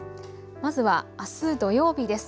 まずはあす土曜日です。